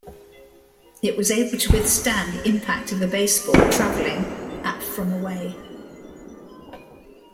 It was able to withstand the impact of a baseball traveling at from away.